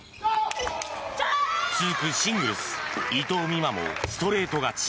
続くシングルス、伊藤美誠もストレート勝ち。